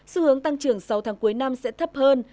sự hướng tăng trưởng sáu tháng cuối năm sẽ thấp hơn